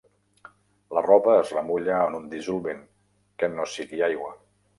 La roba es remulla en un dissolvent que no sigui aigua.